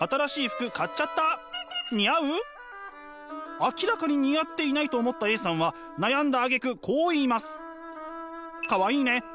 明らかに似合っていないと思ったＡさんは悩んだあげくこう言います。